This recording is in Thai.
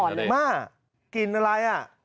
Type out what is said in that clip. อำมาตย์กลิ่นอะไรอ่ะ